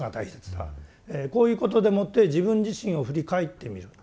こういうことでもって自分自身を振り返ってみる。